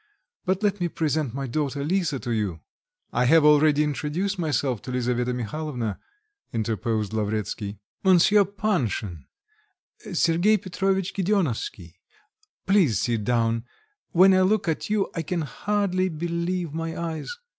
But let me present my daughter Lisa to you." "I have already introduced myself to Lisaveta Mihalovna," interposed Lavretsky. "Monsier Panshin... Sergei Petrovitch Gedeonovsky... Please sit down. When I look at you, I can hardly believe my eyes.